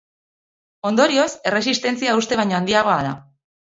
Ondorioz, erresistentzia uste baino handiagoa da.